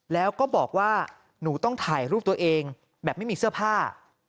แล้วก็บอกว่าหนูต้องถ่ายรูปตัวเองแบบไม่มีเสื้อผ้า